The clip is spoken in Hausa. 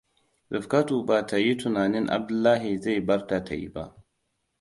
Rifkatu ba ta yi tunanin Abdullahi zai barta ta yi ba.